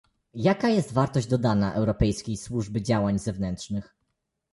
Jaka jest wartość dodana Europejskiej Służby Działań Zewnętrznych?